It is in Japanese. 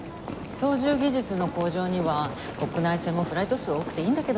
操縦技術の向上には国内線もフライト数多くていいんだけどね。